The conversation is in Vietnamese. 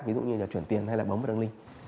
ví dụ như là chuyển tiền hay là bấm vào đường link